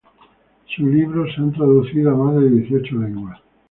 Sus libros han sido traducidos a más de dieciocho lenguas.